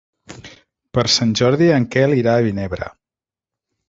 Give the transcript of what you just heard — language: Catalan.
Per Sant Jordi en Quel irà a Vinebre.